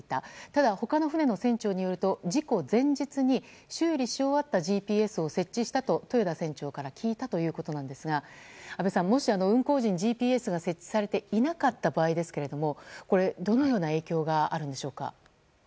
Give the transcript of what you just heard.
ただ、他の船の船長によると事故前日に修理し終わったＧＰＳを設置したと豊田船長から聞いたということなんですが安倍さん、もし運航時にＧＰＳが設置されていなかった場合ですがどのような影響があるんでしょうか。